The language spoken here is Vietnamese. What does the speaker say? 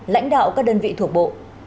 lãnh đạo các đơn vị thuộc bộ